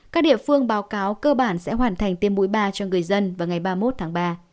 các địa phương báo cáo cơ bản sẽ hoàn thành tiêm mũi ba cho người dân vào ngày ba mươi một tháng ba